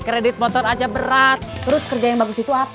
kredit motor aja berat terus kerja yang bagus itu apa